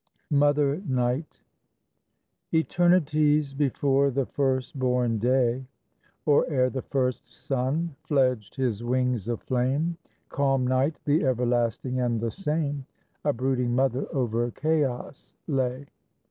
MOTHER NIGHT Eternities before the first born day, Or ere the first sun fledged his wings of flame, Calm Night, the everlasting and the same, A brooding mother over chaos lay.